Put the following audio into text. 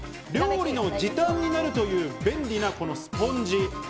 料理の時短になるという便利なこのスポンジ。